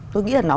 tôi nghĩ là nó